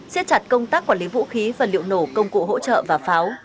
siết chặt công tác quản lý vũ khí vật liệu nổ công cụ hỗ trợ và pháo